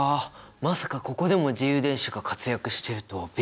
まさかここでも自由電子が活躍してるとはびっくり！